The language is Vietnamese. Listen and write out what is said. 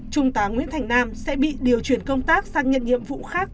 trung tá nguyễn thành nam sẽ bị điều chuyển công tác sang nhận nhiệm vụ khác